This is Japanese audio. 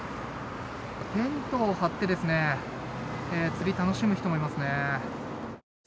テントを張って、釣り、楽しむ人もいますね。